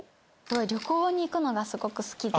旅行に行くのがすごく好きで。